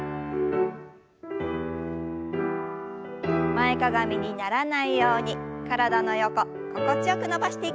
前かがみにならないように体の横心地よく伸ばしていきましょう。